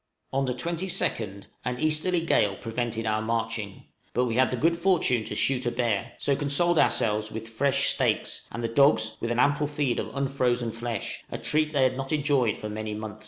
On the 22d an easterly gale prevented our marching, but we had the good fortune to shoot a bear, so consoled ourselves with fresh steaks, and the dogs with an ample feed of unfrozen flesh a treat they had not enjoyed for many months.